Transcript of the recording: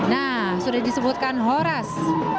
nah sudah disebutkan horas